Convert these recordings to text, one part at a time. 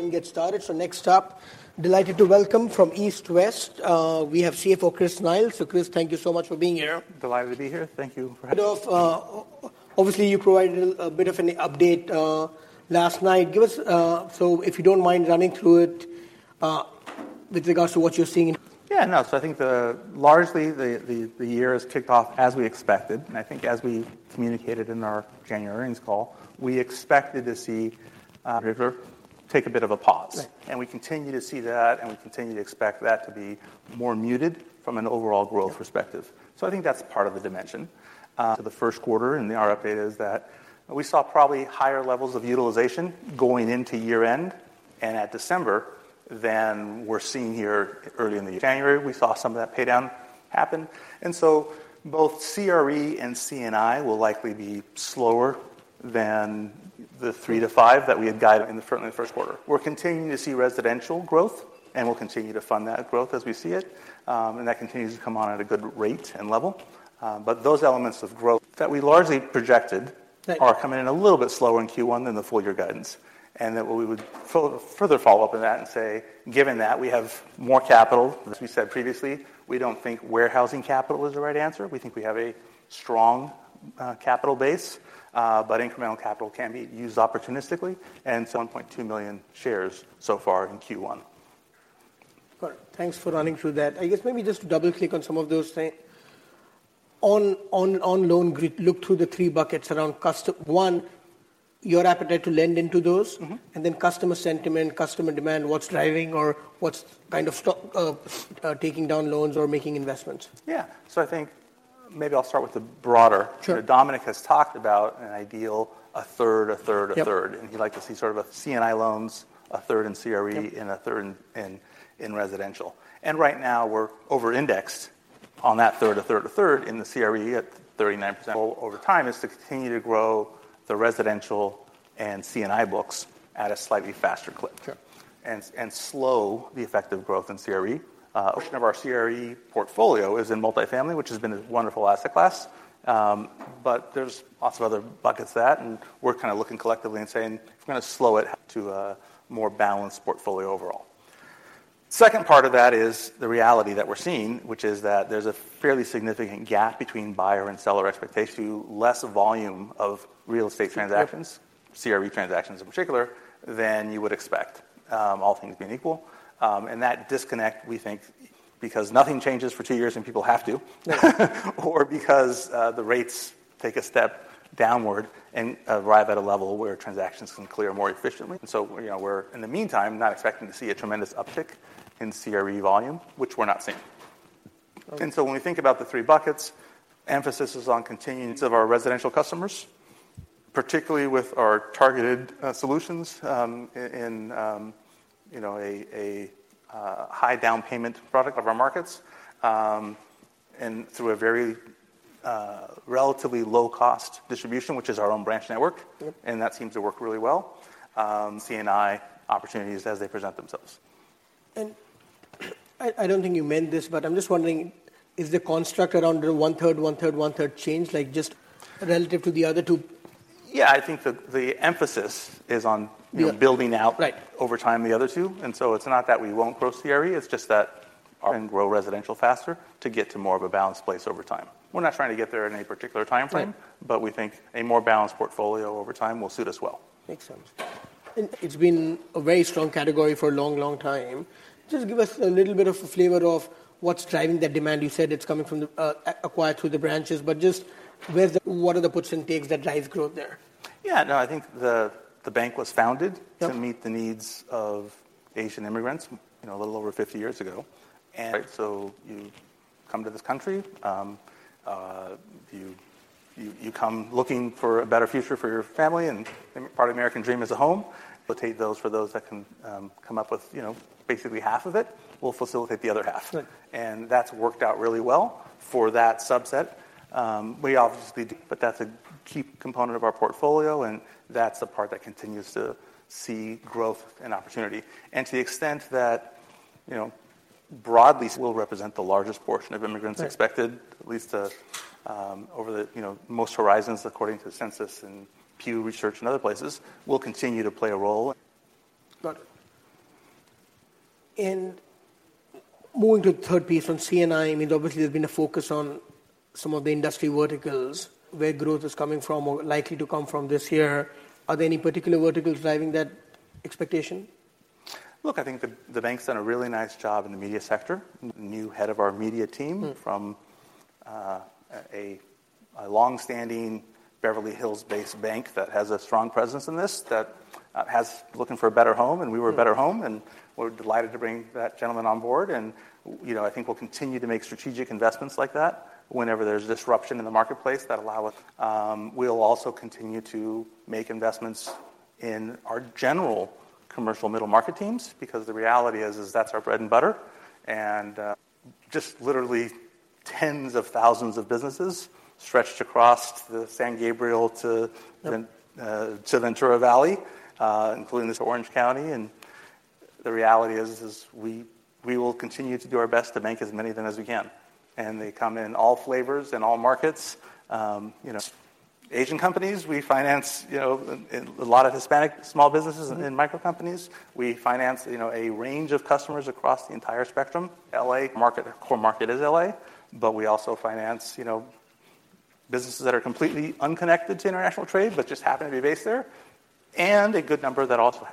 Let me get started. Next up, delighted to welcome from East West, we have CFO Chris Niles. Chris, thank you so much for being here. Delighted to be here. Thank you for having me. Head of, obviously you provided a bit of an update last night. So if you don't mind running through it with regards to what you're seeing. Yeah, no. So I think largely the year has kicked off as we expected. And I think as we communicated in our January earnings call, we expected to see particular take a bit of a pause. And we continue to see that, and we continue to expect that to be more muted from an overall growth perspective. So I think that's part of the dimension. The first quarter, and our update is that we saw probably higher levels of utilization going into year-end and at December than we're seeing here early in the January. We saw some of that paydown happen. And so both CRE and C&I will likely be slower than the three to five that we had guided in the first quarter. We're continuing to see residential growth, and we'll continue to fund that growth as we see it. That continues to come on at a good rate and level. But those elements of growth that we largely projected are coming in a little bit slower in Q1 than the full-year guidance. And that we would further follow up on that and say, given that we have more capital. We said previously, we don't think warehousing capital is the right answer. We think we have a strong capital base, but incremental capital can be used opportunistically. 1.2 million shares so far in Q1. Got it. Thanks for running through that. I guess maybe just to double-click on some of those things. On loan grid, look through the three buckets around customer. One, your appetite to lend into those. And then customer sentiment, customer demand, what's driving or what's kind of taking down loans or making investments. Yeah. So I think maybe I'll start with the broader. Dominic has talked about an ideal a third, a third, a third. And he liked to see sort of a C&I loans, a third in CRE, and a third in residential. And right now we're over-indexed on that third, a third, a third in the CRE at 39%. Over time is to continue to grow the residential and C&I books at a slightly faster clip and slow the effective growth in CRE. Of our CRE portfolio is in multifamily, which has been a wonderful asset class. But there's lots of other buckets that. And we're kind of looking collectively and saying, if we're going to slow it. To a more balanced portfolio overall. Second part of that is the reality that we're seeing, which is that there's a fairly significant gap between buyer and seller expectations. To less volume of real estate transactions, CRE transactions in particular, than you would expect, all things being equal. And that disconnect, we think, because nothing changes for two years and people have to, or because the rates take a step downward and arrive at a level where transactions can clear more efficiently. And so we're, in the meantime, not expecting to see a tremendous uptick in CRE volume, which we're not seeing. And so when we think about the three buckets, emphasis is on continuing of our residential customers, particularly with our targeted solutions in a high down payment product of our markets and through a very relatively low-cost distribution, which is our own branch network. And that seems to work really well. C&I opportunities as they present themselves. I don't think you meant this, but I'm just wondering, is the construct around the one-third, one-third, one-third changed? Like just relative to the other two? Yeah, I think the emphasis is on building out over time the other two. So it's not that we won't grow CRE. It's just that. And grow residential faster to get to more of a balanced place over time. We're not trying to get there in any particular time frame, but we think a more balanced portfolio over time will suit us well. Makes sense. It's been a very strong category for a long, long time. Just give us a little bit of a flavor of what's driving that demand. You said it's coming from acquired through the branches, but just what are the puts and takes that drive growth there? Yeah, no, I think the bank was founded to meet the needs of Asian immigrants a little over 50 years ago. So you come to this country, you come looking for a better future for your family and part of the American dream is a home. Those for those that can come up with basically half of it, we'll facilitate the other half. And that's worked out really well for that subset. But that's a key component of our portfolio. And that's the part that continues to see growth and opportunity. And to the extent that broadly will represent the largest portion of immigrants expected, at least over the most horizons according to the census and Pew Research and other places, will continue to play a role. Got it. Moving to the third piece on C&I, I mean, obviously there's been a focus on some of the industry verticals. Where growth is coming from or likely to come from this year. Are there any particular verticals driving that expectation? Look, I think the bank's done a really nice job in the media sector. New head of our media team from a longstanding Beverly Hills-based bank that has a strong presence in this that has looking for a better home. And we were a better home. And we're delighted to bring that gentleman on board. And I think we'll continue to make strategic investments like that whenever there's disruption in the marketplace that allow us. We'll also continue to make investments in our general commercial middle market teams because the reality is that's our bread and butter. And just literally tens of thousands of businesses stretched across the San Gabriel to Ventura Valley, including Orange County. And the reality is we will continue to do our best to bank as many of them as we can. And they come in all flavors and all markets. Asian companies, we finance a lot of Hispanic small businesses and micro companies. We finance a range of customers across the entire spectrum. L.A. Our core market is L.A. But we also finance businesses that are completely unconnected to international trade but just happen to be based there. And a good number that also.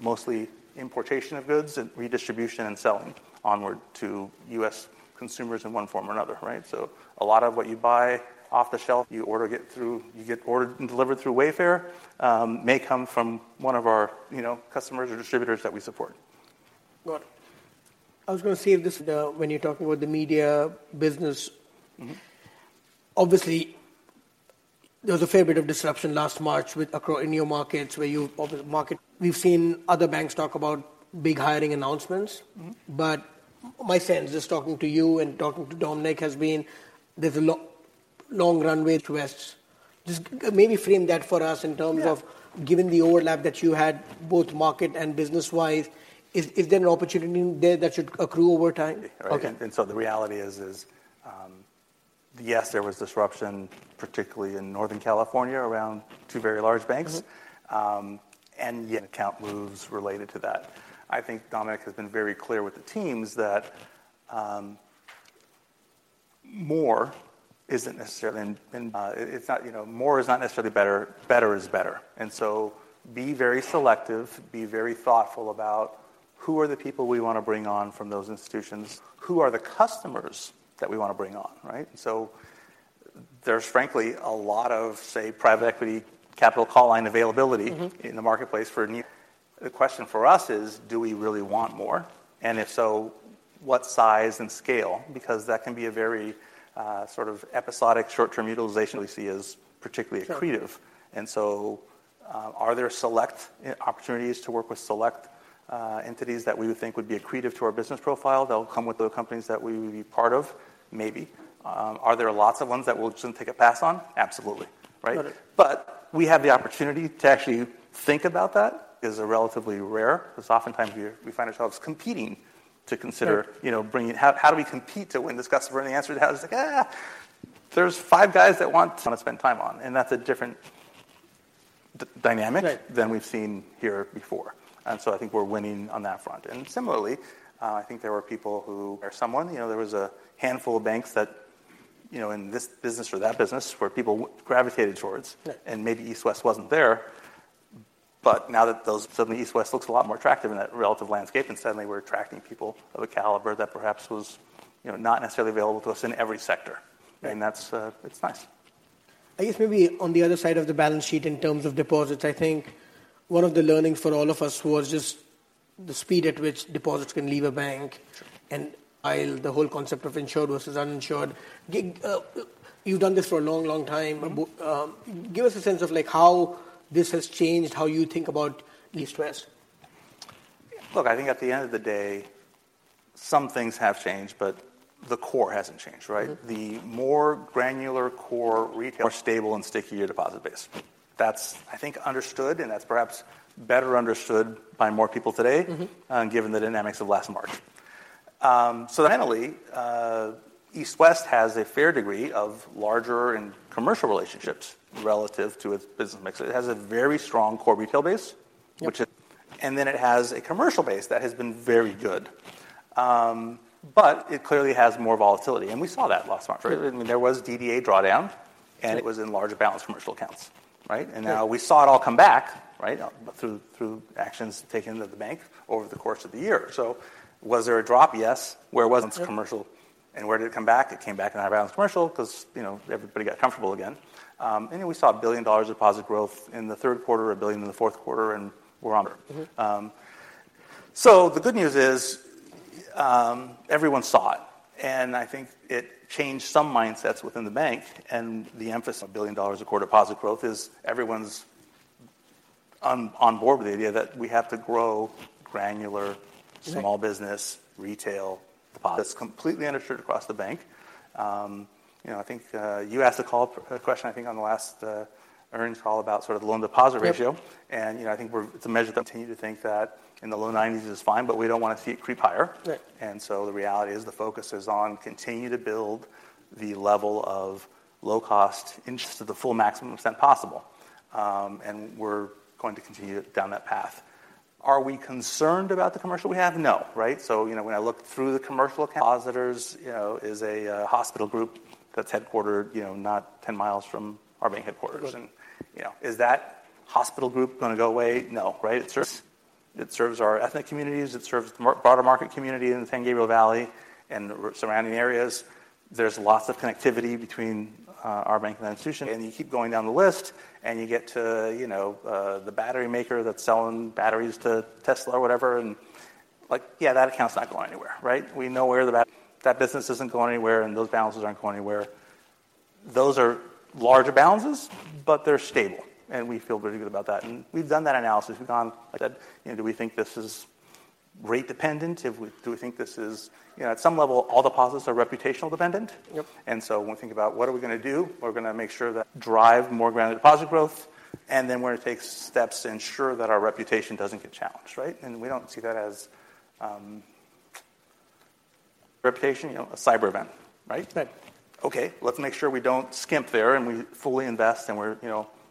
Mostly importation of goods and redistribution and selling onward to U.S. consumers in one form or another, right? So a lot of what you buy off the shelf, you get ordered and delivered through Wayfair, may come from one of our customers or distributors that we support. Got it. I was going to see if this when you're talking about the media business, obviously there was a fair bit of disruption last March in your markets where you market. We've seen other banks talk about big hiring announcements. But my sense, just talking to you and talking to Dominic, has been there's a long runway. West. Just maybe frame that for us in terms of given the overlap that you had both market and business-wise, is there an opportunity there that should accrue over time? Right. And so the reality is, yes, there was disruption, particularly in Northern California around two very large banks. Account moves related to that. I think Dominic has been very clear with the teams that more isn't necessarily better. It's not, more is not necessarily better. Better is better. And so be very selective. Be very thoughtful about who are the people we want to bring on from those institutions. Who are the customers that we want to bring on, right? And so there's, frankly, a lot of, say, private equity capital call line availability in the marketplace. The question for us is, do we really want more? And if so, what size and scale? Because that can be a very sort of episodic short-term utilization we see as particularly accretive. And so are there select opportunities to work with select entities that we would think would be accretive to our business profile that will come with the companies that we would be part of, maybe? Are there lots of ones that we'll just take a pass on? Absolutely, right? But we have the opportunity to actually think about that. Is relatively rare. Because oftentimes we find ourselves competing to consider bringing how do we compete to win? Does Christopher have any answers? It's like, there's five guys that want to spend time on. And that's a different dynamic than we've seen here before. And so I think we're winning on that front. And similarly, I think there were people who or someone. There was a handful of banks that in this business or that business where people gravitated towards. And maybe East West wasn't there. But now that those. Suddenly East West looks a lot more attractive in that relative landscape. Suddenly we're attracting people of a caliber that perhaps was not necessarily available to us in every sector. It's nice. I guess maybe on the other side of the balance sheet in terms of deposits, I think one of the learnings for all of us was just the speed at which deposits can leave a bank. And while the whole concept of insured versus uninsured, you've done this for a long, long time. Give us a sense of how this has changed, how you think about East West. Look, I think at the end of the day, some things have changed, but the core hasn't changed, right? The more granular core retail. Stable and stickier deposit base. That's, I think, understood. And that's perhaps better understood by more people today given the dynamics of last March. So finally, East West has a fair degree of larger and commercial relationships relative to its business mix. It has a very strong core retail base, which. And then it has a commercial base that has been very good. But it clearly has more volatility. And we saw that last March, right? I mean, there was DDA drawdown. And it was in large balanced commercial accounts, right? And now we saw it all come back, right, through actions taken at the bank over the course of the year. So was there a drop? Yes. Where was. Commercial. And where did it come back? It came back in high balanced commercial because everybody got comfortable again. And then we saw $1 billion of deposit growth in the third quarter, $1 billion in the fourth quarter. And we're on. So the good news is everyone saw it. And I think it changed some mindsets within the bank. And the emphasis. $1 billion a quarter deposit growth is everyone's on board with the idea that we have to grow granular small business retail deposit. That's completely uninsured across the bank. I think you asked a question, I think, on the last earnings call about sort of the loan deposit ratio. And I think it's a measure that. Continue to think that in the low 90s% is fine, but we don't want to see it creep higher. And so the reality is the focus is on continuing to build the level of low-cost to the full maximum extent possible. And we're going to continue down that path. Are we concerned about the commercial we have? No, right? So when I look through the commercial depositors, it's a hospital group that's headquartered not 10 miles from our bank headquarters. And is that hospital group going to go away? No, right? It serves our ethnic communities. It serves the broader market community in the San Gabriel Valley and surrounding areas. There's lots of connectivity between our bank and that institution. And you keep going down the list. And you get to the battery maker that's selling batteries to Tesla or whatever. And yeah, that account's not going anywhere, right? We know where that business isn't going anywhere. And those balances aren't going anywhere. Those are larger balances, but they're stable. We feel pretty good about that. We've done that analysis. We've gone. Said, do we think this is rate-dependent? Do we think this is, at some level, all deposits are reputational-dependent? So when we think about what are we going to do, we're going to make sure that drive more granular deposit growth. Then we're going to take steps to ensure that our reputation doesn't get challenged, right? We don't see that as reputation, a cyber event, right? Right. OK, let's make sure we don't skimp there. We fully invest. We're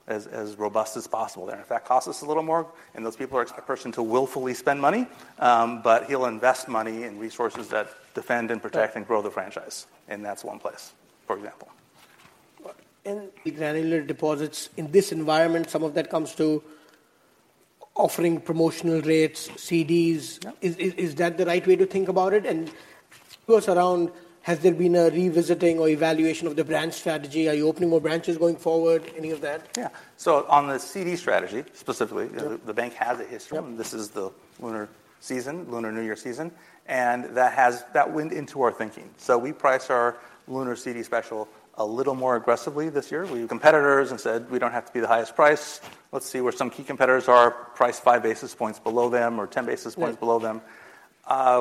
as robust as possible there. If that costs us a little more and those people are person to willfully spend money. But he'll invest money in resources that defend and protect and grow the franchise. That's one place, for example. Granular deposits in this environment, some of that comes to offering promotional rates, CDs. Is that the right way to think about it? And who else around, has there been a revisiting or evaluation of the branch strategy? Are you opening more branches going forward? Any of that? Yeah. So on the CD strategy, specifically, the bank has a history. And this is the lunar season, Lunar New Year season. And that went into our thinking. So we priced our Lunar CD special a little more aggressively this year. Competitors and said, we don't have to be the highest price. Let's see where some key competitors are, price five basis points below them or 10 basis points below them.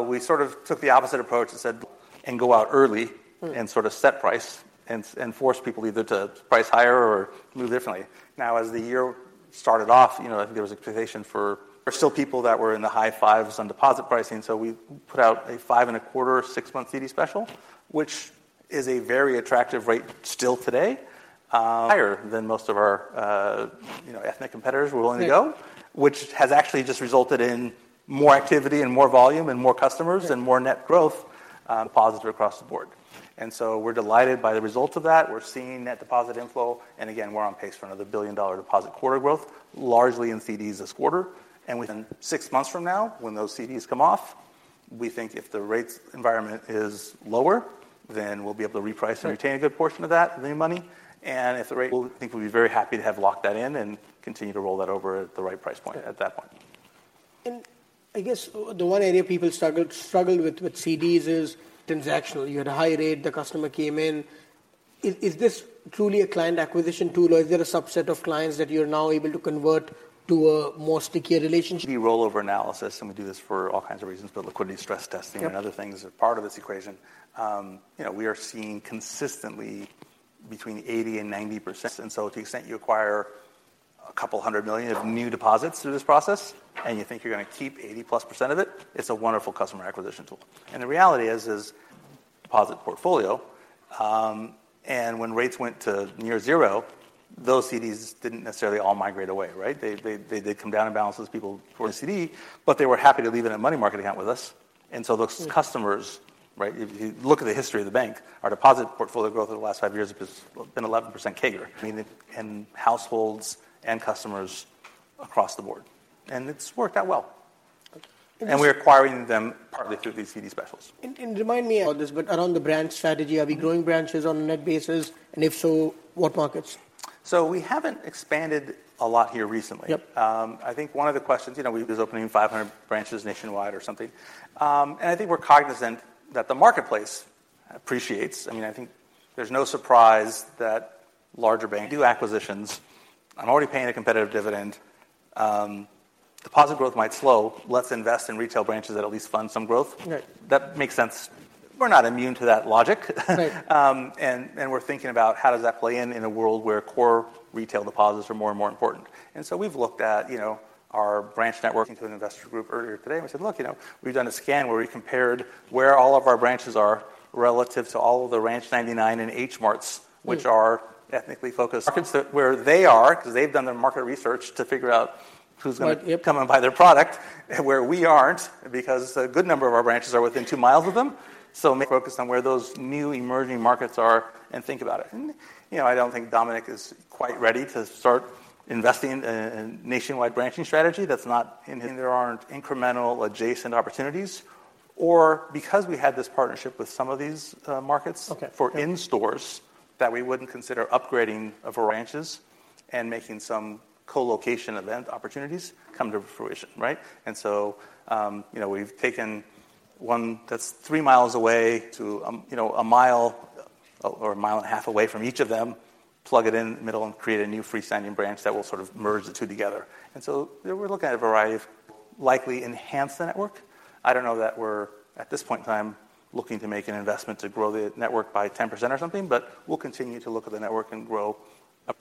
We sort of took the opposite approach and said and go out early and sort of set price and force people either to price higher or move differently. Now, as the year started off, I think there was expectation for still people that were in the high fives on deposit pricing. So we put out a 5.25, six month CD special, which is a very attractive rate still today. Higher than most of our ethnic competitors were willing to go, which has actually just resulted in more activity and more volume and more customers and more net growth. Deposits across the board. And so we're delighted by the results of that. We're seeing net deposit inflow. And again, we're on pace for another $1 billion deposit quarter growth, largely in CDs this quarter. Six months from now, when those CDs come off, we think if the rates environment is lower, then we'll be able to reprice and retain a good portion of that new money. Think we'll be very happy to have locked that in and continue to roll that over at the right price point at that point. I guess the one area people struggle with with CDs is transactional. You had a high rate. The customer came in. Is this truly a client acquisition tool? Or is there a subset of clients that you're now able to convert to a more stickier relationship? Rollover analysis. We do this for all kinds of reasons. But liquidity stress testing and other things are part of this equation. We are seeing consistently between 80% and 90%. So to the extent you acquire $200 million of new deposits through this process and you think you're going to keep 80%+ of it, it's a wonderful customer acquisition tool. The reality is deposit portfolio. When rates went to near zero, those CDs didn't necessarily all migrate away, right? They did come down in balances of people for the CD. But they were happy to leave in a money market account with us. So those customers, right, if you look at the history of the bank, our deposit portfolio growth over the last five years has been 11% CAGR in households and customers across the board. It's worked out well. We're acquiring them partly through these CD specials. Remind me about this. Around the branch strategy, are we growing branches on a net basis? If so, what markets? So we haven't expanded a lot here recently. I think one of the questions is opening 500 branches nationwide or something. And I think we're cognizant that the marketplace appreciates. I mean, I think there's no surprise that larger banks do acquisitions. I'm already paying a competitive dividend. Deposit growth might slow. Let's invest in retail branches that at least fund some growth. That makes sense. We're not immune to that logic. And we're thinking about how does that play in a world where core retail deposits are more and more important. And so we've looked at our branch network to an investor group earlier today. And we said, look, we've done a scan where we compared where all of our branches are relative to all of the Ranch 99 and H Marts, which are ethnically focused. Where they are because they've done their market research to figure out who's going to be coming by their product, where we aren't because a good number of our branches are within two miles of them. So. Focus on where those new emerging markets are and think about it. And I don't think Dominic is quite ready to start investing in a nationwide branching strategy that's not in. There aren't incremental adjacent opportunities. Or because we had this partnership with some of these markets for in-stores that we wouldn't consider upgrading a variety of branches and making some colocation event opportunities come to fruition, right? And so we've taken one that's three miles away. To one mile or 1.5 miles away from each of them, plug it in the middle, and create a new freestanding branch that will sort of merge the two together. And so we're looking at a variety of likely enhance the network. I don't know that we're, at this point in time, looking to make an investment to grow the network by 10% or something. But we'll continue to look at the network and grow a.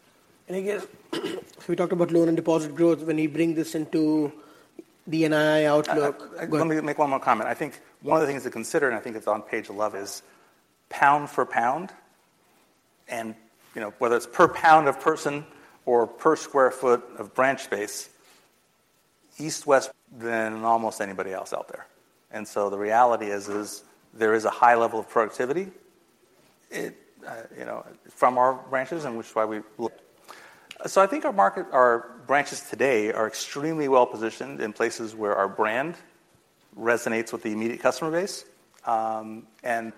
I guess we talked about loan and deposit growth. When you bring this into the NII Outlook. Let me make one more comment. I think one of the things to consider and I think it's on page 11 is pound for pound. Whether it's per pound of person or per square foot of branch space, East West than almost anybody else out there. So the reality is there is a high level of productivity from our branches. So I think our branches today are extremely well positioned in places where our brand resonates with the immediate customer base in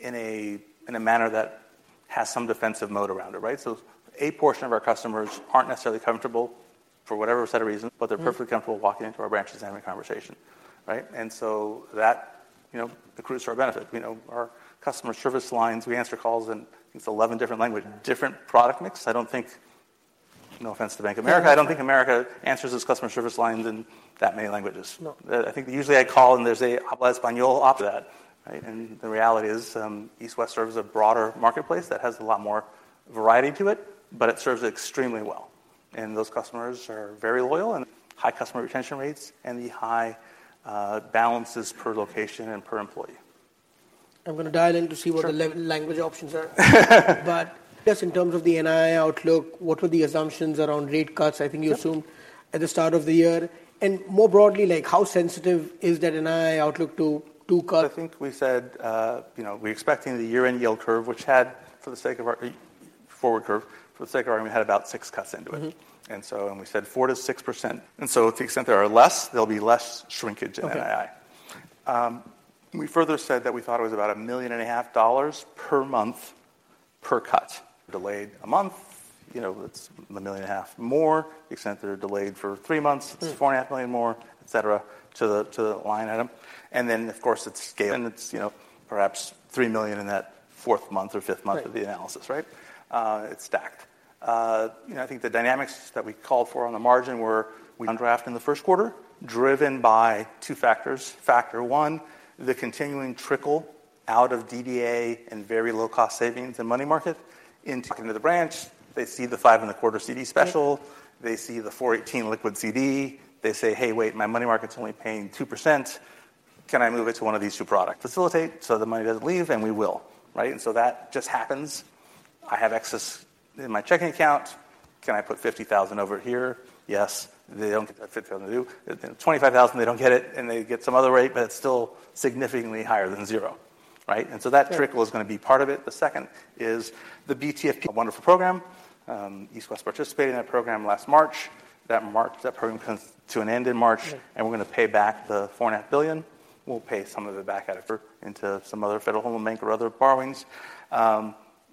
a manner that has some defensive mode around it, right? So a portion of our customers aren't necessarily comfortable for whatever set of reasons, but they're perfectly comfortable walking into our branches and having a conversation, right? And so that accrues to our benefit. Our customer service lines, we answer calls in, I think, it's 11 different languages. Different product mix. I don't think, no offense to Bank of America. I don't think America answers its customer service lines in that many languages. I think usually I call and there's a habla español. That, right? And the reality is East West serves a broader marketplace that has a lot more variety to it. But it serves extremely well. And those customers are very loyal. High customer retention rates and the high balances per location and per employee. I'm going to dive in to see what the language options are. In terms of the NII outlook, what were the assumptions around rate cuts? I think you assumed at the start of the year. More broadly, how sensitive is that NII outlook to cuts. I think we said we're expecting the year-end yield curve, which had for the sake of our forward curve, for the sake of our argument, had about six cuts into it. So we said 4%-6%. So to the extent there are less, there'll be less shrinkage in NII. We further said that we thought it was about $1.5 million per month per cut. Delayed a month, it's $1.5 million more. To the extent they're delayed for three months, it's $4.5 million more, et cetera, to the line item. Then, of course, it's scaling. And it's perhaps $3 million in that fourth month or fifth month of the analysis, right? It's stacked. I think the dynamics that we called for on the margin were we draft in the first quarter driven by two factors. Factor one, the continuing trickle out of DDA and very low-cost savings and money market into the branch. They see the 5.25% CD special. They see the 4.18 liquid CD. They say, hey, wait, my money market's only paying 2%. Can I move it to one of these two products? Facilitate so the money doesn't leave. And we will, right? And so that just happens. I have excess in my checking account. Can I put $50,000 over here? Yes. They don't get the full yield to do $25,000, they don't get it. And they get some other rate. But it's still significantly higher than zero, right? And so that trickle is going to be part of it. The second is the BTFP. Wonderful program. East West participated in that program last March. That program comes to an end in March. And we're going to pay back the $4.5 billion. We'll pay some of it back out of into some other Federal Home Loan Bank or other borrowings.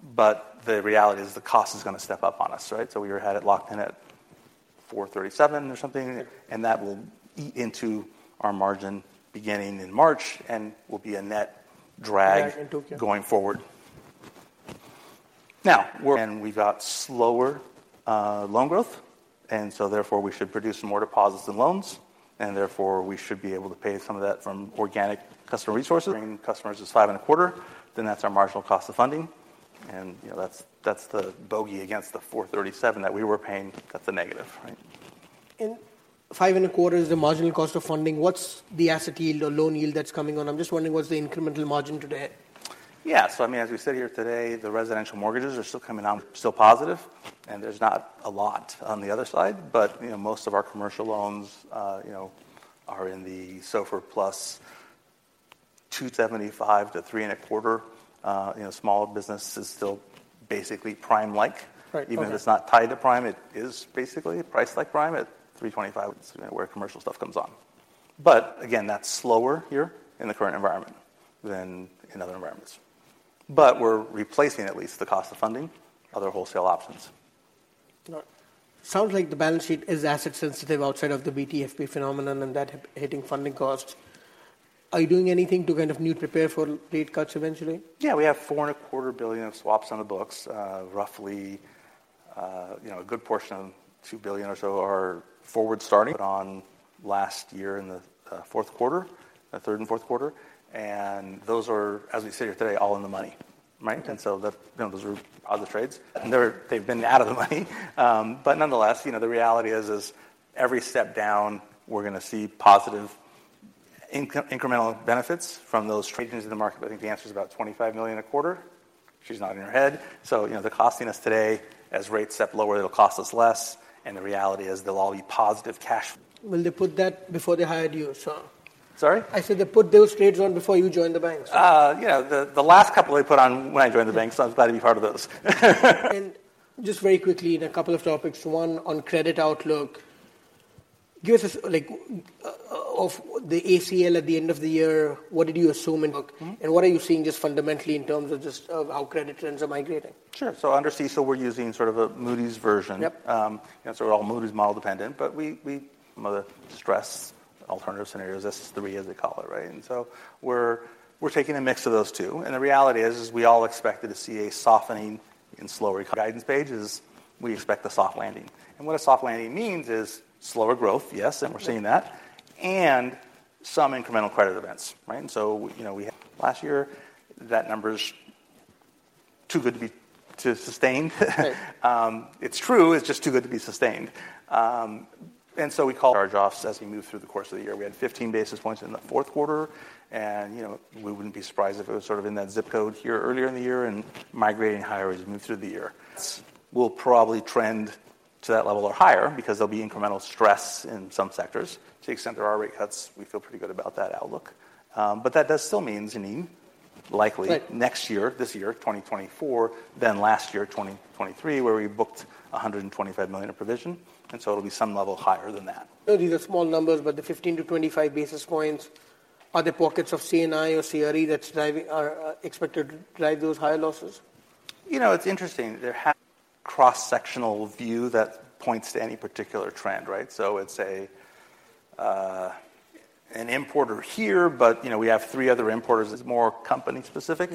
But the reality is the cost is going to step up on us, right? So we had it locked in at $437 million or something. And that will eat into our margin beginning in March. And will be a net drag going forward. Now. And we've got slower loan growth. And so therefore, we should produce more deposits and loans. And therefore, we should be able to pay some of that from organic customer resources. Customers is 5.25, then that's our marginal cost of funding. And that's the bogey against the $437 million that we were paying. That's a negative, right? 5.25 is the marginal cost of funding. What's the asset yield or loan yield that's coming on? I'm just wondering, what's the incremental margin today? Yeah. So I mean, as we sit here today, the residential mortgages are still coming on. Still positive. And there's not a lot on the other side. But most of our commercial loans are in the SOFR + 275-3.25. Smaller business is still basically prime-like. Even if it's not tied to prime, it is basically priced like prime at 3.25. Where commercial stuff comes on. But again, that's slower here in the current environment than in other environments. But we're replacing, at least, the cost of funding, other wholesale options. Sounds like the balance sheet is asset sensitive outside of the BTFP phenomenon and that's hitting funding costs. Are you doing anything to kind of prepare for rate cuts eventually? Yeah. We have $4.25 billion of swaps on the books. Roughly, a good portion of $2 billion or so are forward starting. Put on last year in the fourth quarter, third and fourth quarter. And those are, as we sit here today, all in the money, right? And so those are positive trades. And they've been out of the money. But nonetheless, the reality is every step down, we're going to see positive incremental benefits from those. Agents in the market. But I think the answer is about $25 million a quarter. She's not in her head. So the costs today, as rates step lower, it'll cost us less. And the reality is they'll all be positive cash. Will they put that before they hired you, sir? Sorry? I said they put those trades on before you joined the bank, sir. The last couple they put on when I joined the bank, so I'm glad to be part of those. And just very quickly, in a couple of topics. One, on Credit Outlook. Give us, of the ACL at the end of the year, what did you assume? And what are you seeing just fundamentally in terms of just how credit trends are migrating? Sure. So under CECL, we're using sort of a Moody's version. So we're all Moody's model dependent. Other stress alternative scenarios. S3, as they call it, right? And so we're taking a mix of those two. And the reality is we all expected to see a softening and slower. Guidance page is we expect a soft landing. And what a soft landing means is slower growth. Yes. And we're seeing that. And some incremental credit events, right? Last year, that number's too good to be sustained. It's true. It's just too good to be sustained. And so we call charge-offs as we move through the course of the year. We had 15 basis points in the fourth quarter. And we wouldn't be surprised if it was sort of in that zip code here earlier in the year and migrating higher as we move through the year. It will probably trend to that level or higher because there'll be incremental stress in some sectors. To the extent there are rate cuts, we feel pretty good about that outlook. But that does still mean likely next year, this year, 2024, than last year, 2023, where we booked $125 million of provision. And so it'll be some level higher than that. Those are the small numbers. But the 15-25 basis points, are there pockets of C&I or CRE that's expected to drive those higher losses? It's interesting. Cross-sectional view that points to any particular trend, right? So it's an importer here. But we have three other importers. More company specific.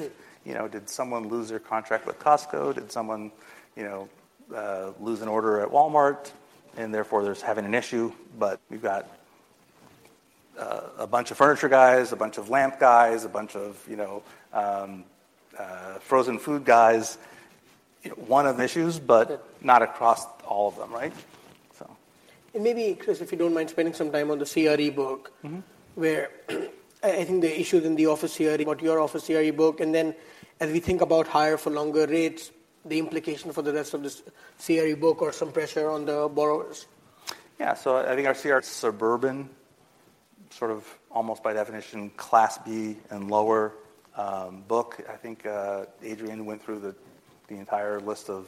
Did someone lose their contract with Costco? Did someone lose an order at Walmart? And therefore, they're having an issue. We've got a bunch of furniture guys, a bunch of lamp guys, a bunch of frozen food guys. One of issues. But not across all of them, right? Maybe, Chris, if you don't mind spending some time on the CRE book, where I think the issues in the office CRE. Your office CRE book. Then as we think about higher for longer rates, the implication for the rest of this CRE book or some pressure on the borrowers. Yeah. So I think our suburban, sort of almost by definition, Class B and lower book. I think Adrienne went through the entire list of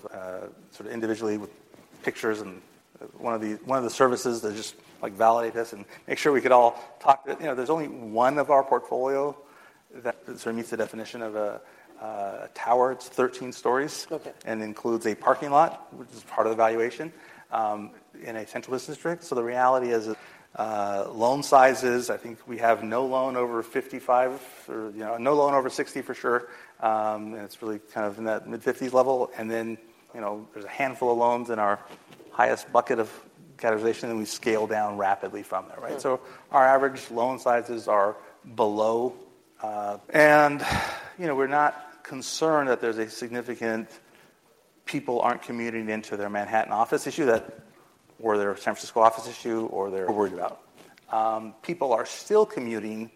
sort of individually with pictures and one of the services to just validate this and make sure we could all talk to there's only one in our portfolio that sort of meets the definition of a tower. It's 13 stories and includes a parking lot, which is part of the valuation, in a central business district. So the reality is loan sizes. I think we have no loan over $55 or no loan over $60 for sure. And it's really kind of in that mid-50s level. And then there's a handful of loans in our highest bucket of categorization. And we scale down rapidly from there, right? So our average loan sizes are below. And we're not concerned that there's a significant people aren't commuting into their Manhattan office issue or their San Francisco office issue or their. People are still commuting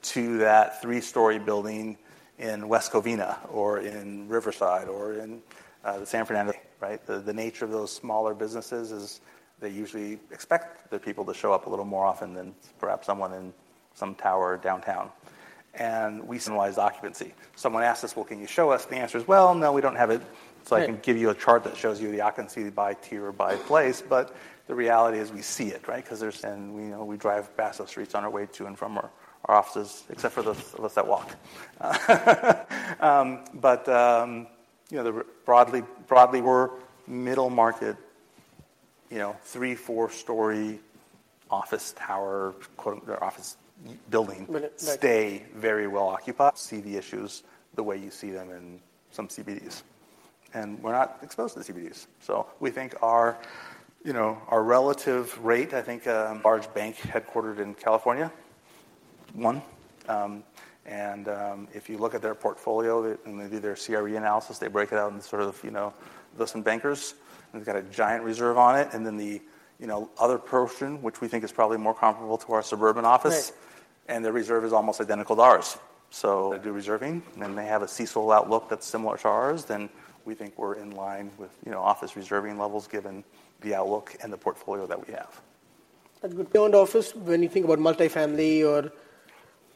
to that three-story building in West Covina or in Riverside or in the San Fernando. Right? The nature of those smaller businesses is they usually expect their people to show up a little more often than perhaps someone in some tower downtown. And we locally. Someone asked us, well, can you show us? The answer is, well, no, we don't have it. So I can give you a chart that shows you the occupancy by tier or by place. But the reality is we see it, right? Because we drive by those streets on our way to and from our offices, except for those of us that walk. But broadly, we're middle market, three-four-story office tower, quote-unquote, "office building. Minute, like. Stay very well occupied. See the issues the way you see them in some CBDs. And we're not exposed to the CBDs. So we think our relative rate, I think. Large bank headquartered in California, one. And if you look at their portfolio and they do their CRE analysis, they break it out into sort of listed bankers. And they've got a giant reserve on it. And then the other portion, which we think is probably more comparable to our suburban office, and their reserve is almost identical to ours. So. Do reserving. And then they have a CECL Outlook that's similar to ours. Then we think we're in line with office reserving levels given the outlook and the portfolio that we have. That's good. Beyond office, when you think about multifamily or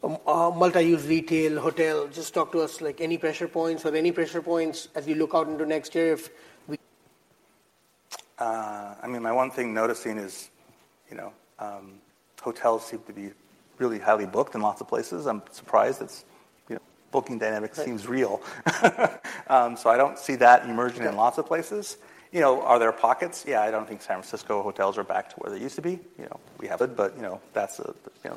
multi-use retail, hotel, just talk to us. Any pressure points? Are there any pressure points as you look out into next year? I mean, my one thing noticing is hotels seem to be really highly booked in lots of places. I'm surprised that's. Booking dynamic seems real. So I don't see that emerging in lots of places. Are there pockets? Yeah. I don't think San Francisco hotels are back to where they used to be. We have. But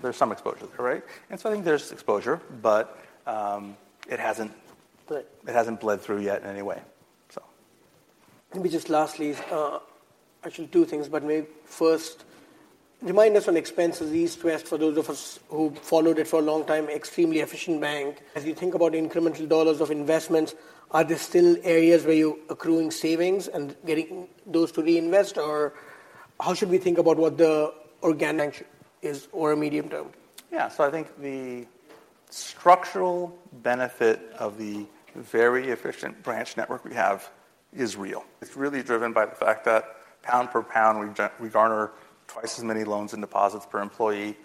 there's some exposure there, right? And so I think there's exposure. But it hasn't bled through yet in any way, so. Maybe just lastly, actually, two things. But maybe first, remind us on expenses. East West, for those of us who followed it for a long time, extremely efficient bank. You think about incremental dollars of investments, are there still areas where you're accruing savings and getting those to reinvest? Or how should we think about what the organic bank is over a medium term? Yeah. So I think the structural benefit of the very efficient branch network we have is real. It's really driven by the fact that pound per pound, we garner twice as many loans and deposits per employee.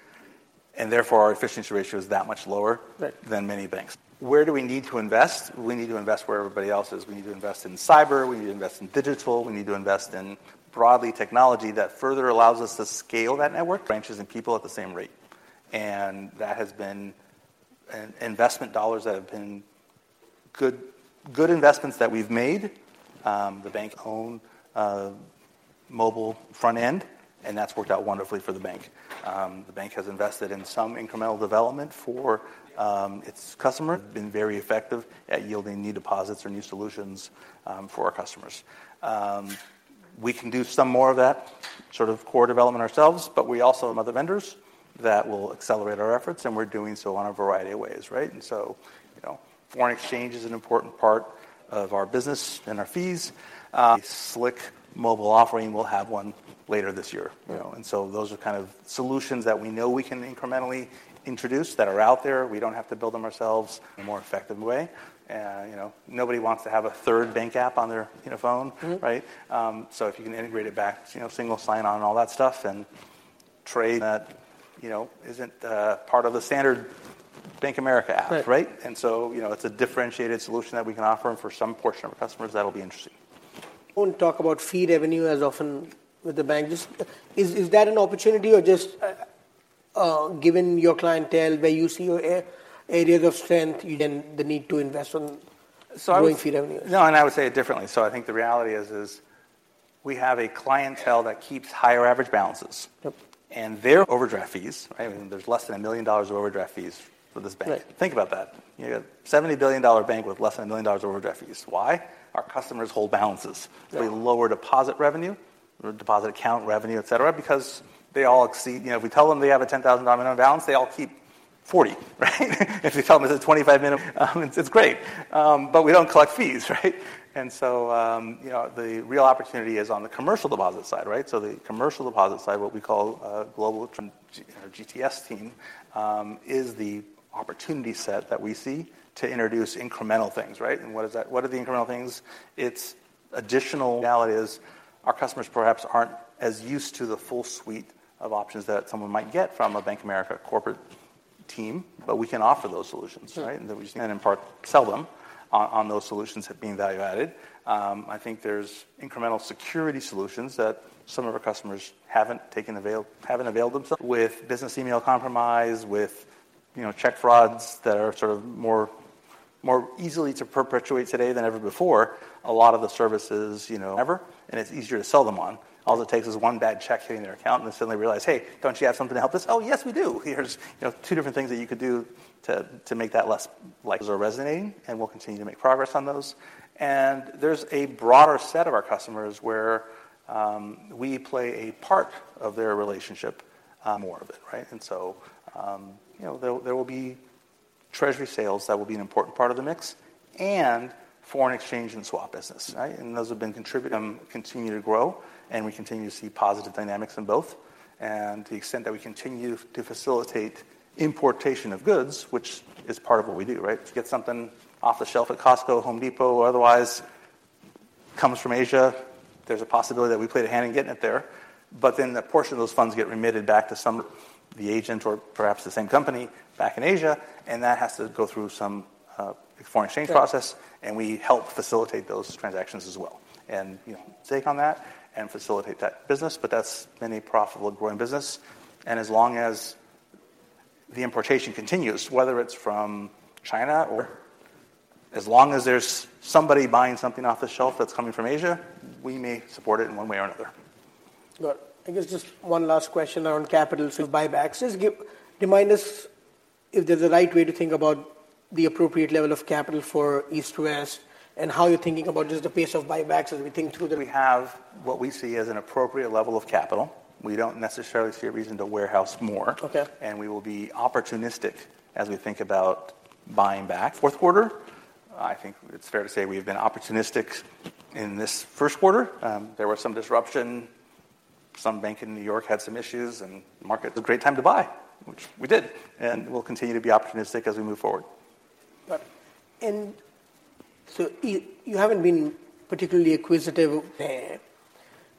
And therefore, our efficiency ratio is that much lower than many banks. Where do we need to invest? We need to invest where everybody else is. We need to invest in cyber. We need to invest in digital. We need to invest in broadly technology that further allows us to scale that network, branches and people at the same rate. And that has been investment dollars that have been good investments that we've made. The bank's own mobile front end. And that's worked out wonderfully for the bank. The bank has invested in some incremental development for its customers, been very effective at yielding new deposits or new solutions for our customers. We can do some more of that sort of core development ourselves. But we also have other vendors that will accelerate our efforts. And we're doing so on a variety of ways, right? And so foreign exchange is an important part of our business and our fees. Slick mobile offering. We'll have one later this year. And so those are kind of solutions that we know we can incrementally introduce that are out there. We don't have to build them ourselves. More effective way. And nobody wants to have a third bank app on their phone, right? So if you can integrate it back, single sign-on and all that stuff, and trade. That isn't part of the standard Bank of America app, right? And so it's a differentiated solution that we can offer for some portion of our customers that'll be interesting. Want to talk about fee revenue as often with the bank. Is that an opportunity? Or just given your clientele, where you see areas of strength. And the need to invest on growing fee revenues? No. And I would say it differently. So I think the reality is we have a clientele that keeps higher average balances. And their overdraft fees, right? I mean, there's less than $1 million of overdraft fees for this bank. Think about that. You've got a $70 billion bank with less than $1 million overdraft fees. Why? Our customers hold balances. We lower deposit revenue, deposit account revenue, et cetera, because they all exceed if we tell them they have a $10,000 minimum balance, they all keep $40,000, right? If we tell them it's a $25. It's great. But we don't collect fees, right? And so the real opportunity is on the commercial deposit side, right? So the commercial deposit side, what we call Global GTS team is the opportunity set that we see to introduce incremental things, right? And what are the incremental things? It's additional. Reality is our customers perhaps aren't as used to the full suite of options that someone might get from a Bank of America corporate team. But we can offer those solutions, right? In part, sell them on those solutions that being value added. I think there's incremental security solutions that some of our customers haven't availed themselves. With business email compromise, with check frauds that are sort of more easily to perpetuate today than ever before, a lot of the services. And it's easier to sell them on. All it takes is one bad check hitting their account. And they suddenly realize, hey, don't you have something to help us? Oh, yes, we do. Here's two different things that you could do to make that less. Are resonating. And we'll continue to make progress on those. And there's a broader set of our customers where we play a part of their relationship. More of it, right? And so there will be treasury sales that will be an important part of the mix and foreign exchange and swap business, right? And those have been contributing. Continue to grow. And we continue to see positive dynamics in both. And to the extent that we continue to facilitate importation of goods, which is part of what we do, right? Get something off the shelf at Costco, Home Depot, or otherwise, comes from Asia, there's a possibility that we played a hand in getting it there. But then a portion of those funds get remitted back to some. The agent or perhaps the same company back in Asia. And that has to go through some foreign exchange process. And we help facilitate those transactions as well. And. Take on that and facilitate that business. That's been a profitable, growing business. As long as the importation continues, whether it's from China or. As long as there's somebody buying something off the shelf that's coming from Asia, we may support it in one way or another. Got it. I guess just one last question around capital. Buybacks. Just remind us if there's a right way to think about the appropriate level of capital for East West and how you're thinking about just the pace of buybacks as we think through. We have what we see as an appropriate level of capital. We don't necessarily see a reason to warehouse more. We will be opportunistic as we think about buying back. Fourth quarter, I think it's fair to say we have been opportunistic in this first quarter. There was some disruption. Some bank in New York had some issues. The market. Great time to buy, which we did. We'll continue to be opportunistic as we move forward. Got it. And so you haven't been particularly acquisitive there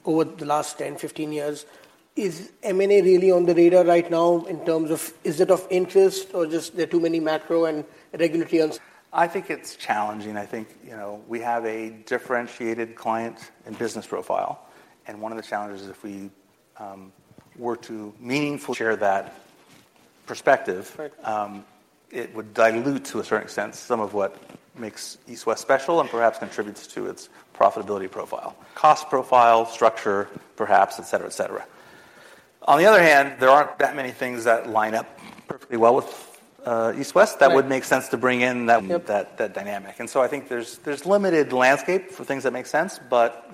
over the last 10, 15 years. Is M&A really on the radar right now in terms of is it of interest? Or just there are too many macro and regulatory. I think it's challenging. I think we have a differentiated client and business profile. One of the challenges is if we were to meaningfully share that perspective, it would dilute to a certain extent some of what makes East West special and perhaps contributes to its profitability profile. Cost profile, structure, perhaps, et cetera, et cetera. On the other hand, there aren't that many things that line up perfectly well with East West that would make sense to bring in. That dynamic. So I think there's limited landscape for things that make sense. But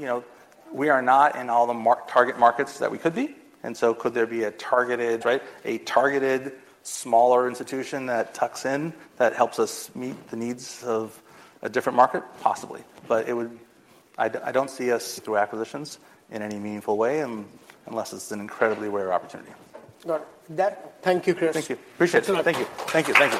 we are not in all the target markets that we could be. So could there be a targeted. Right? A targeted smaller institution that tucks in that helps us meet the needs of a different market? Possibly. But I don't see us. Through acquisitions in any meaningful way unless it's an incredibly rare opportunity. Got it. Thank you, Chris. Thank you. Appreciate it. It's a night. Thank you. Thank you. Thank you.